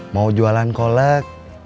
mau jualan kolek